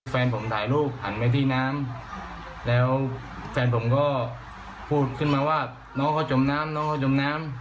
แฟนผมถ่ายรูปหันไปที่น้ำแล้วแฟนผมก็พูดขึ้นมาว่าน้องเขาจมน้ำน้องเขาจมน้ำ